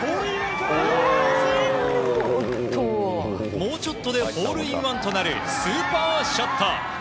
もうちょっとでホールインワンとなるスーパーショット！